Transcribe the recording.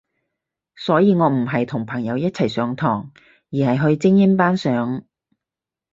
所以我唔係同朋友一齊上堂，而係去精英班上